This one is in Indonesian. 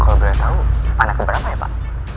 kalau boleh tahu anaknya berapa ya pak